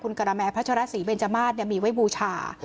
คุณกระแมรพระชระศรีเบญเจมส์มาตรเนี้ยมีไว้บูชา